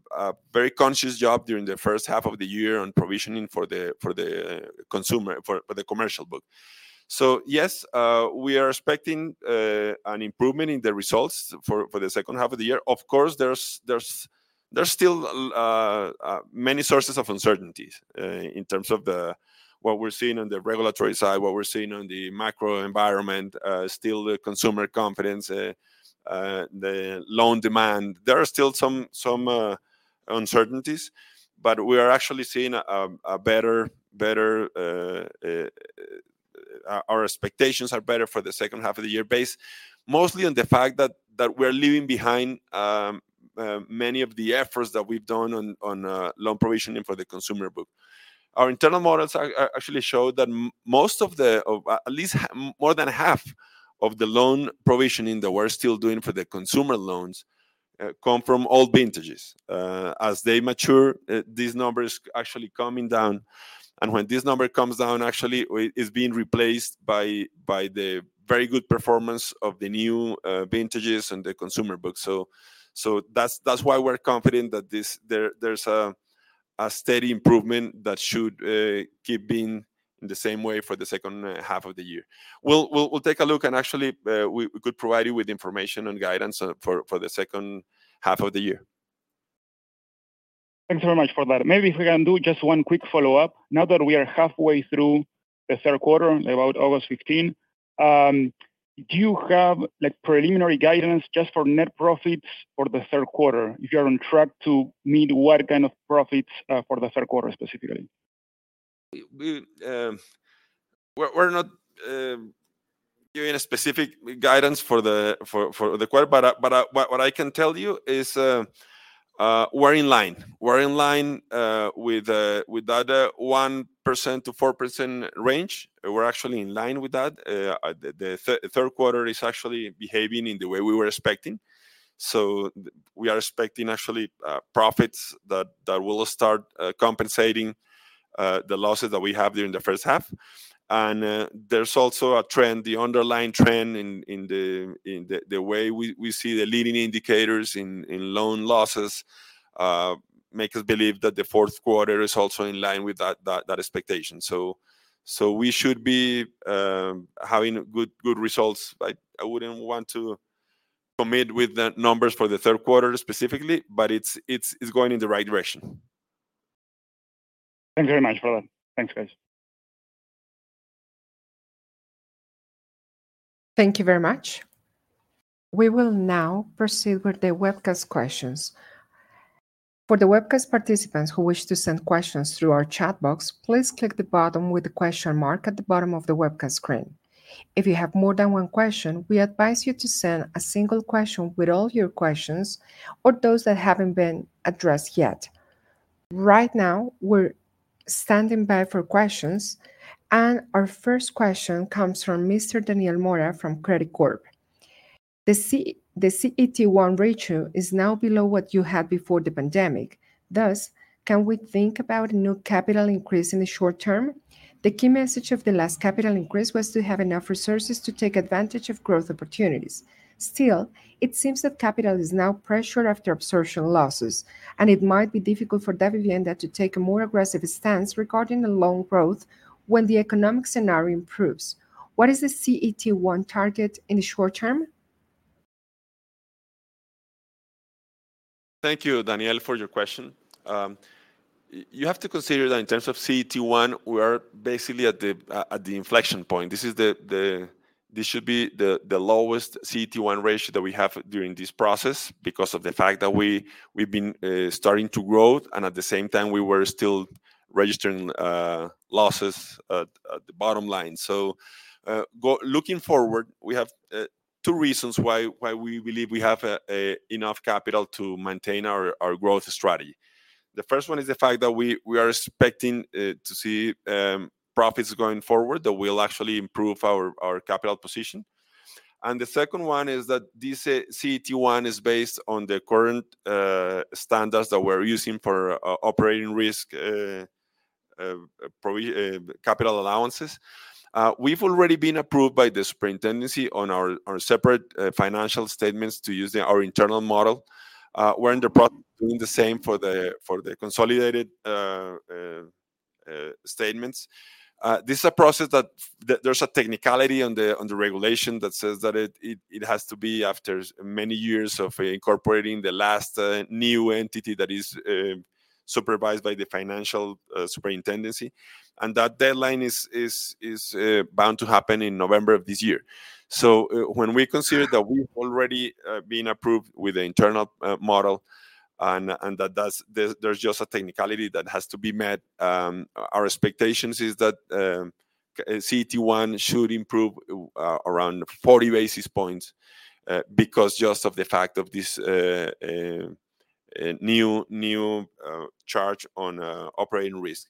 very conscious job during the first half of the year on provisioning for the consumer, the commercial book. So yes, we are expecting an improvement in the results for the second half of the year. Of course, there's still many sources of uncertainties in terms of what we're seeing on the regulatory side, what we're seeing on the macro environment, still the consumer confidence, the loan demand. There are still some uncertainties, but we are actually seeing a better. Our expectations are better for the second half of the year, based mostly on the fact that we're leaving behind many of the efforts that we've done on loan provisioning for the consumer book. Our internal models actually show that most of the, or at least more than half of the loan provisioning that we're still doing for the consumer loans come from old vintages. As they mature, these numbers actually coming down, and when this number comes down, actually, it's being replaced by the very good performance of the new vintages and the consumer book. So that's why we're confident that there's a steady improvement that should keep being the same way for the second half of the year. We'll take a look, and actually, we could provide you with information and guidance for the second half of the year. Thanks very much for that. Maybe if we can do just one quick follow-up. Now that we are halfway through the third quarter, about August 15, do you have, like, preliminary guidance just for net profits for the third quarter? If you are on track to meet what kind of profits for the third quarter specifically? We're not giving a specific guidance for the quarter, but what I can tell you is, we're in line. We're in line with that 1%-4% range. We're actually in line with that. The third quarter is actually behaving in the way we were expecting, so we are expecting actually profits that will start compensating the losses that we have during the first half, and there's also a trend, the underlying trend in the way we see the leading indicators in loan losses make us believe that the fourth quarter is also in line with that expectation. So, we should be having good results, but I wouldn't want to commit with the numbers for the third quarter specifically, but it's going in the right direction. Thank you very much for that. Thanks, guys. Thank you very much. We will now proceed with the webcast questions. For the webcast participants who wish to send questions through our chat box, please click the button with the question mark at the bottom of the webcast screen. If you have more than one question, we advise you to send a single question with all your questions or those that haven't been addressed yet. Right now, we're standing by for questions, and our first question comes from Mr. Daniel Mora from Credicorp. The CET1 ratio is now below what you had before the pandemic. Thus, can we think about a new capital increase in the short term? The key message of the last capital increase was to have enough resources to take advantage of growth opportunities. Still, it seems that capital is now pressured after absorption losses, and it might be difficult for Davivienda to take a more aggressive stance regarding the loan growth when the economic scenario improves. What is the CET1 target in the short term? Thank you, Daniel, for your question. You have to consider that in terms of CET1, we are basically at the inflection point. This should be the lowest CET1 ratio that we have during this process because of the fact that we, we've been starting to grow, and at the same time, we were still registering losses at the bottom line. So, looking forward, we have two reasons why we believe we have enough capital to maintain our growth strategy. The first one is the fact that we are expecting to see profits going forward that will actually improve our capital position. And the second one is that this CET1 is based on the current standards that we're using for operating risk capital allowances. We've already been approved by the Superintendency on our separate financial statements to use our internal model. We're in the process of doing the same for the consolidated statements. This is a process that there's a technicality on the regulation that says that it has to be after many years of incorporating the last new entity that is supervised by the Financial Superintendency. And that deadline is bound to happen in November of this year. So, when we consider that we've already been approved with the internal model, and that that's... There, there's just a technicality that has to be met. Our expectations is that CET1 should improve around 40 basis points because just of the fact of this new charge on operating risk.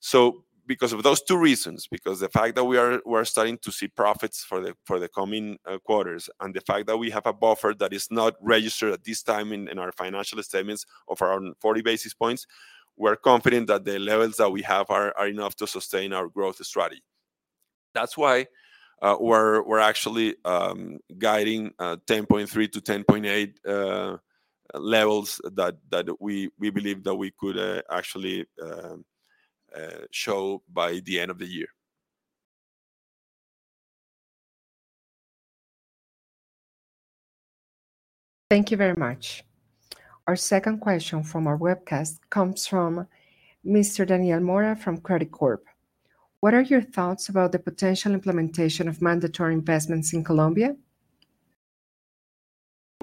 So because of those two reasons, because the fact that we are starting to see profits for the coming quarters, and the fact that we have a buffer that is not registered at this time in our financial statements of around 40 basis points, we're confident that the levels that we have are enough to sustain our growth strategy. That's why, we're actually guiding 10.3 to 10.8 levels that we believe that we could actually show by the end of the year.... Thank you very much. Our second question from our webcast comes from Mr. Daniel Mora from Credicorp. What are your thoughts about the potential implementation of mandatory investments in Colombia?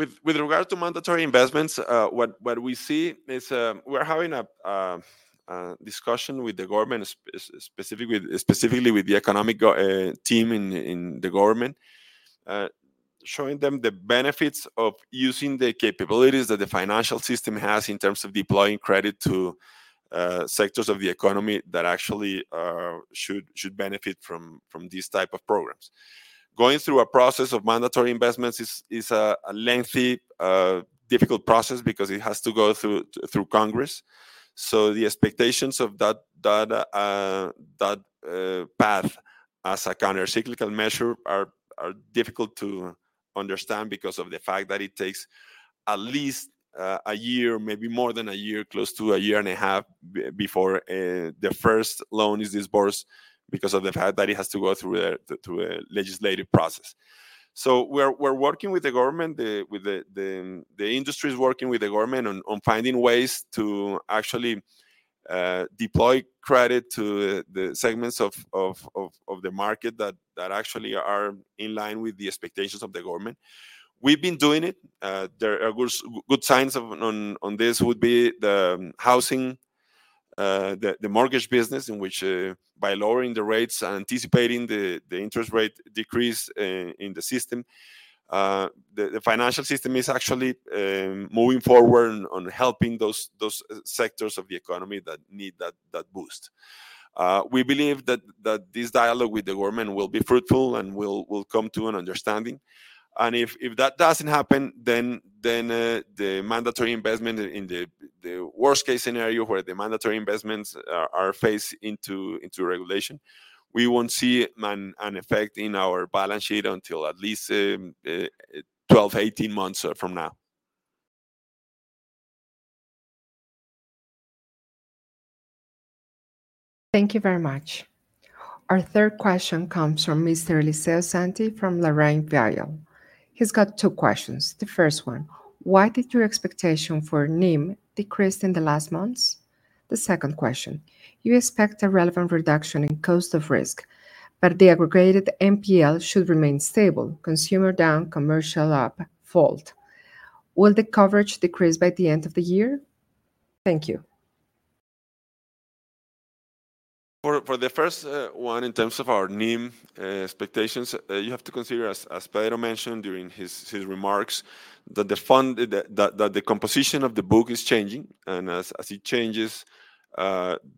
With regard to mandatory investments, what we see is, we're having a discussion with the government, specifically with the economic team in the government, showing them the benefits of using the capabilities that the financial system has in terms of deploying credit to sectors of the economy that actually should benefit from these type of programs. Going through a process of mandatory investments is a lengthy, difficult process because it has to go through Congress. So the expectations of that path as a countercyclical measure are difficult to understand because of the fact that it takes at least a year, maybe more than a year, close to a year and a half before the first loan is disbursed, because of the fact that it has to go through a legislative process. So we're working with the government, the industry is working with the government on finding ways to actually deploy credit to the segments of the market that actually are in line with the expectations of the government. We've been doing it. There are good signs on this would be the housing, the mortgage business, in which by lowering the rates and anticipating the interest rate decrease in the system, the financial system is actually moving forward on helping those sectors of the economy that need that boost. We believe that this dialogue with the government will be fruitful and we'll come to an understanding. And if that doesn't happen, then the worst-case scenario, where the mandatory investments are phased into regulation, we won't see an effect in our balance sheet until at least 12-18 months from now. Thank you very much. Our third question comes from Mr. Eliseo Santi from LarrainVial. He's got two questions. The first one: Why did your expectation for NIM decrease in the last months? The second question: You expect a relevant reduction in cost of risk, but the aggregate NPL should remain stable, consumer down, commercial up a lot. Will the coverage decrease by the end of the year? Thank you. For the first one, in terms of our NIM expectations, you have to consider, as Pedro mentioned during his remarks, that the fund... that the composition of the book is changing, and as it changes,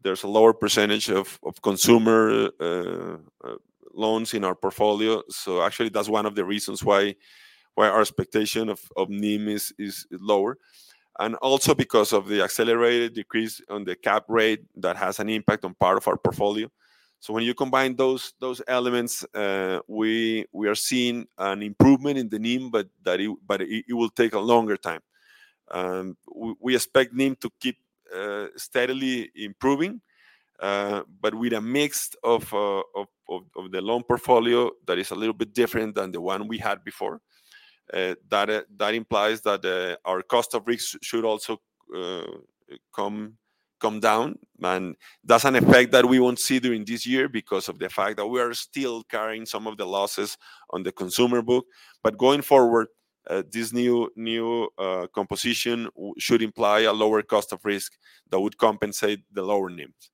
there's a lower percentage of consumer loans in our portfolio. So actually, that's one of the reasons why our expectation of NIM is lower, and also because of the accelerated decrease on the cap rate, that has an impact on part of our portfolio. So when you combine those elements, we are seeing an improvement in the NIM, but it will take a longer time. We expect NIM to keep steadily improving, but with a mix of the loan portfolio that is a little bit different than the one we had before. That implies that our cost of risk should also come down, and that's an effect that we won't see during this year because of the fact that we are still carrying some of the losses on the consumer book. But going forward, this new composition should imply a lower cost of risk that would compensate the lower NIMs.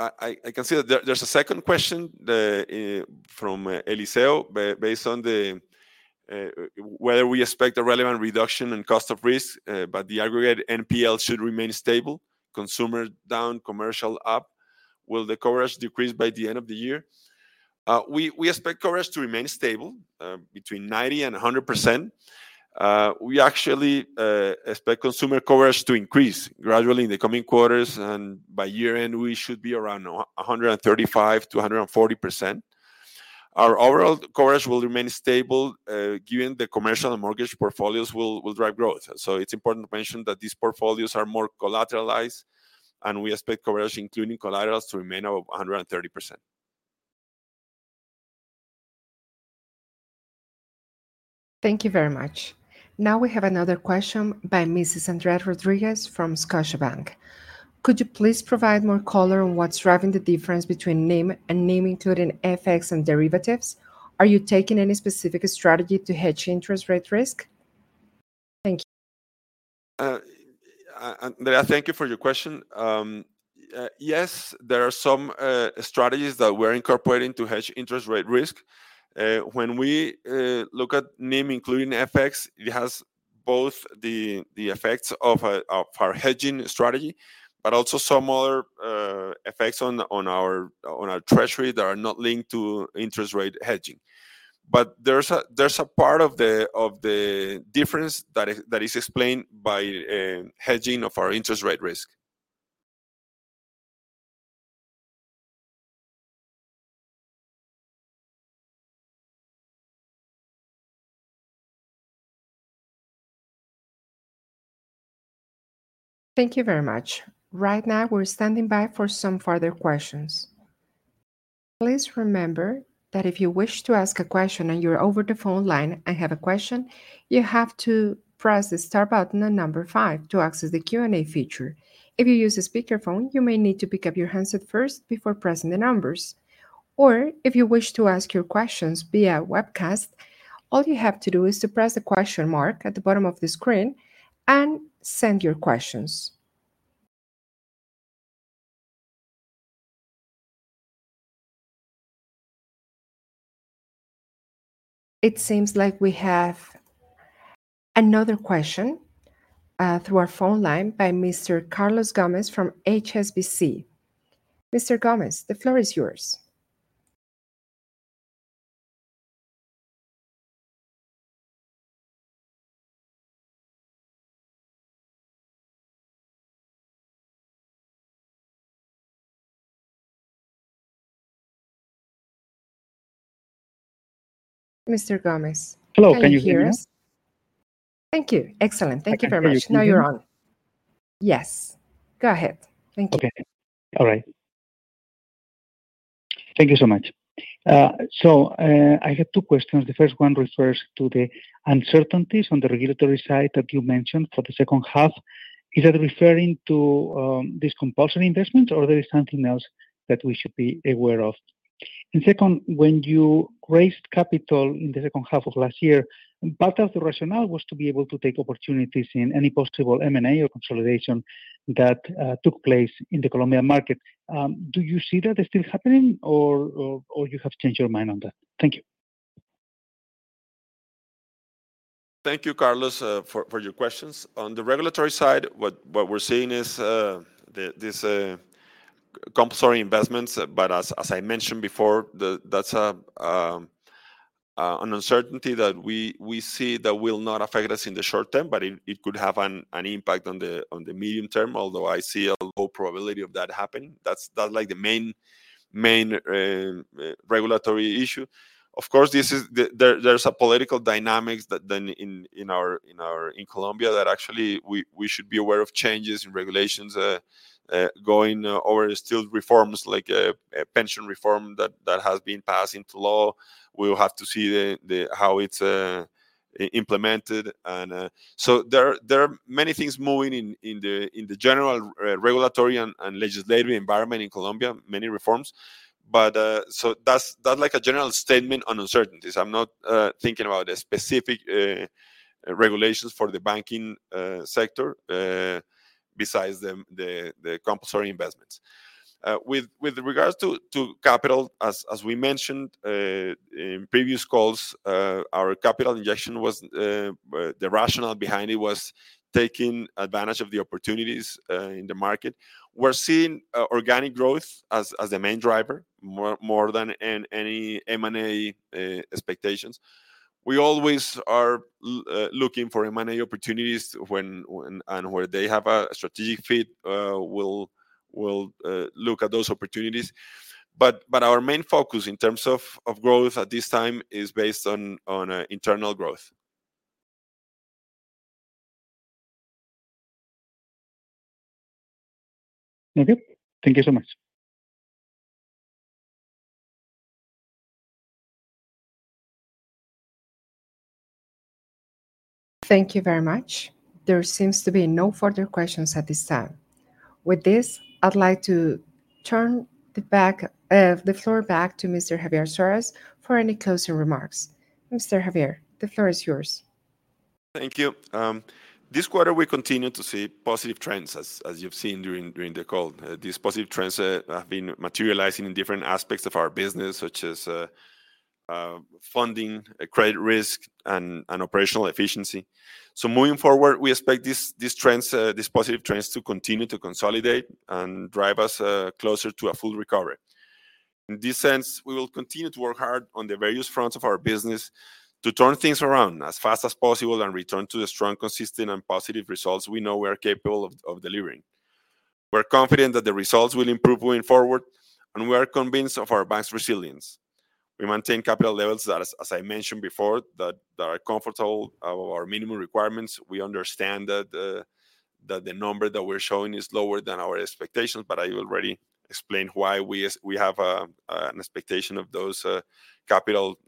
I can see that there's a second question from Eliseo, based on whether we expect a relevant reduction in cost of risk, but the aggregate NPL should remain stable, consumer down, commercial up. Will the coverage decrease by the end of the year? We expect coverage to remain stable between 90% and 100%. We actually expect consumer coverage to increase gradually in the coming quarters, and by year-end, we should be around 135%-140%. Our overall coverage will remain stable given the commercial and mortgage portfolios will drive growth. So it's important to mention that these portfolios are more collateralized, and we expect coverage, including collaterals, to remain over 130%. Thank you very much. Now, we have another question by Mrs. Andrea Rodríguez from Scotiabank. Could you please provide more color on what's driving the difference between NIM and NIM, including FX and derivatives? Are you taking any specific strategy to hedge interest rate risk? Thank you. Andrea, thank you for your question. Yes, there are some strategies that we're incorporating to hedge interest rate risk. When we look at NIM, including FX, it has both the effects of our hedging strategy, but also some other effects on our treasury that are not linked to interest rate hedging. But there's a part of the difference that is explained by hedging of our interest rate risk. ... Thank you very much. Right now, we're standing by for some further questions. Please remember that if you wish to ask a question, and you're over the phone line and have a question, you have to press the star button and number five to access the Q&A feature. If you use a speakerphone, you may need to pick up your handset first before pressing the numbers. Or if you wish to ask your questions via webcast, all you have to do is to press the question mark at the bottom of the screen and send your questions. It seems like we have another question through our phone line by Mr. Carlos Gómez from HSBC. Mr. Gómez, the floor is yours. Mr. Gómez- Hello, can you hear me? Can you hear us? Thank you. Excellent. I can hear you. Thank you very much. Now you're on. Yes, go ahead. Thank you. Okay. All right. Thank you so much. So, I have two questions. The first one refers to the uncertainties on the regulatory side that you mentioned for the second half. Is that referring to this compulsory investment, or there is something else that we should be aware of? And second, when you raised capital in the second half of last year, part of the rationale was to be able to take opportunities in any possible M&A or consolidation that took place in the Colombian market. Do you see that still happening, or you have changed your mind on that? Thank you. Thank you, Carlos, for your questions. On the regulatory side, what we're seeing is compulsory investments, but as I mentioned before, that's an uncertainty that we see that will not affect us in the short term, but it could have an impact on the medium term, although I see a low probability of that happening. That's like the main regulatory issue. Of course, there's a political dynamics that then in our Colombia, that actually we should be aware of changes in regulations, ongoing or still reforms, like a pension reform that has been passed into law. We will have to see how it's implemented. So there are many things moving in the general regulatory and legislative environment in Colombia, many reforms. That's like a general statement on uncertainties. I'm not thinking about the specific regulations for the banking sector, besides the compulsory investments. With regards to capital, as we mentioned in previous calls, our capital injection was the rationale behind it was taking advantage of the opportunities in the market. We're seeing organic growth as the main driver, more than any M&A expectations. We always are looking for M&A opportunities when and where they have a strategic fit. We'll look at those opportunities. But our main focus in terms of growth at this time is based on internal growth. Okay. Thank you so much. Thank you very much. There seems to be no further questions at this time. With this, I'd like to turn the floor back to Mr. Javier Suárez for any closing remarks. Mr. Javier, the floor is yours. Thank you. This quarter, we continue to see positive trends, as you've seen during the call. These positive trends have been materializing in different aspects of our business, such as funding, credit risk, and operational efficiency, so moving forward, we expect these trends, these positive trends to continue to consolidate and drive us closer to a full recovery. In this sense, we will continue to work hard on the various fronts of our business to turn things around as fast as possible and return to the strong, consistent, and positive results we know we are capable of delivering. We're confident that the results will improve going forward, and we are convinced of our bank's resilience. We maintain capital levels that, as I mentioned before, that are comfortable, our minimum requirements. We understand that the number that we're showing is lower than our expectations, but I already explained why we have an expectation of those capital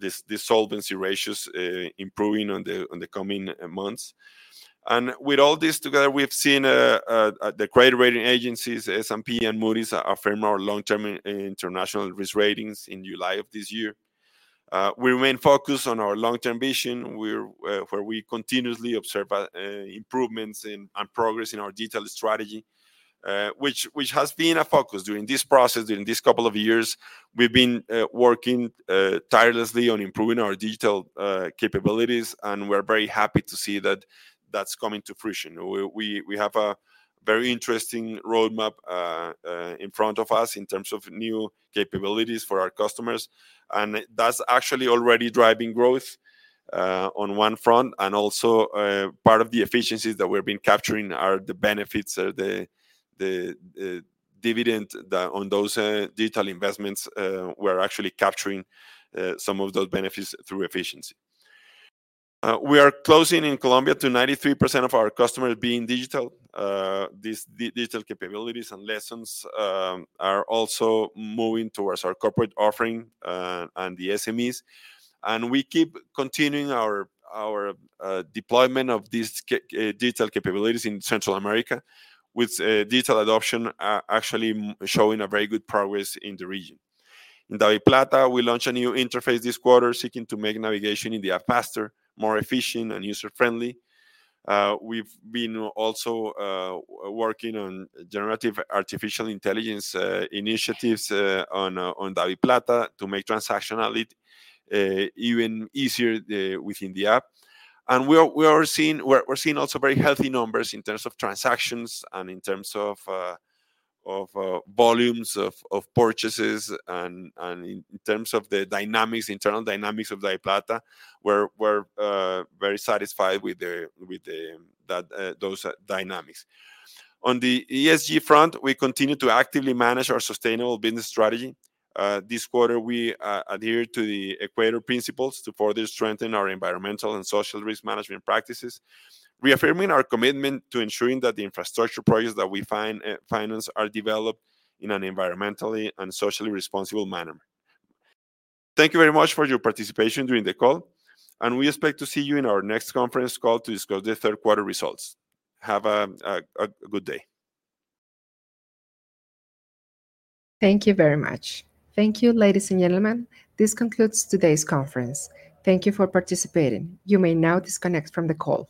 these solvency ratios improving on the coming months. With all this together, we have seen the credit rating agencies, S&P and Moody's, affirm our long-term international risk ratings in July of this year. We remain focused on our long-term vision, we're where we continuously observe improvements in and progress in our digital strategy, which has been a focus during this process. During this couple of years, we've been working tirelessly on improving our digital capabilities, and we're very happy to see that that's coming to fruition. We have a very interesting roadmap in front of us in terms of new capabilities for our customers, and that's actually already driving growth on one front. And also, part of the efficiencies that we've been capturing are the benefits, the dividend that on those digital investments, we're actually capturing some of those benefits through efficiency. We are closing in Colombia to 93% of our customers being digital. These digital capabilities and lessons are also moving towards our corporate offering and the SMEs. And we keep continuing our deployment of these digital capabilities in Central America, with digital adoption actually showing a very good progress in the region. In DaviPlata, we launched a new interface this quarter, seeking to make navigation in the app faster, more efficient, and user-friendly. We've been also working on generative artificial intelligence initiatives on DaviPlata to make transactionality even easier within the app, and we are seeing also very healthy numbers in terms of transactions and in terms of volumes of purchases and in terms of the dynamics, internal dynamics of DaviPlata. We're very satisfied with those dynamics. On the ESG front, we continue to actively manage our sustainable business strategy. This quarter, we adhered to the Equator Principles to further strengthen our environmental and social risk management practices, reaffirming our commitment to ensuring that the infrastructure projects that we finance are developed in an environmentally and socially responsible manner. Thank you very much for your participation during the call, and we expect to see you in our next conference call to discuss the third quarter results. Have a good day. Thank you very much. Thank you, ladies and gentlemen. This concludes today's conference. Thank you for participating. You may now disconnect from the call.